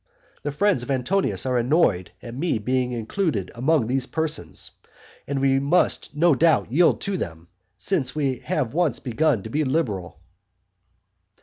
The friends of Antonius are annoyed at my being included among these persons, and we must no doubt yield to them, since we have once begun to be liberal.